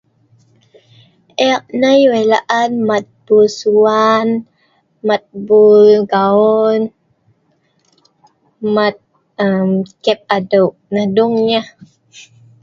Ek nai wei laan mat bul seluwan, mat bul gahon, mat kep adeu.nah duung nyah